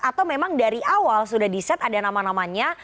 atau memang dari awal sudah diset ada nama namanya